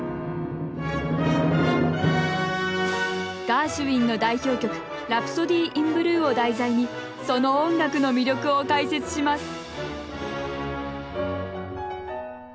ガーシュウィンの代表曲「ラプソディー・イン・ブルー」を題材にその音楽の魅力を解説します